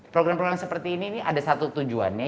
program program seperti ini ada satu tujuannya